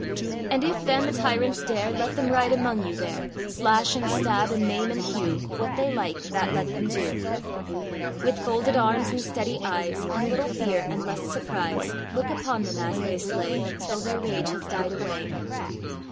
And if then the tyrants dare, Let them ride among you there, Slash, and stab, and maim, and hew What they like, that let them do. With folded arms and steady eyes, And little fear, and less surprise, Look upon them as they slay, Till their rage has died away.